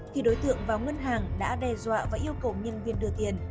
khi đối tượng vào ngân hàng đã đe dọa và yêu cầu nhân viên đưa tiền